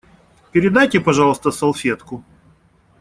Передайте, пожалуйста, салфетку.